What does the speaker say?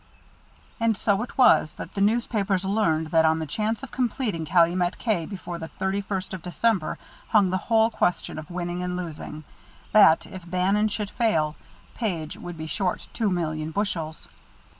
And so it was that the newspapers learned that on the chance of completing Calumet K before the thirty first of December hung the whole question of winning and losing; that if Bannon should fail, Page would be short two million bushels.